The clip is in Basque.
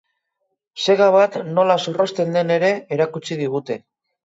Sega bat nola zorrozten den ere erakutsi digute.